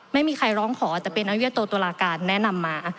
ไม่มีใครร้องขอแต่เป็นอนุญาโตตุลาการแนะนำมา